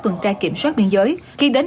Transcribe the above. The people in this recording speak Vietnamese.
tuần tra kiểm soát biên giới khi đến